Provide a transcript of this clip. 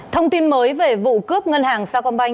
thông tin mới về vụ cướp ngân hàng sao công banh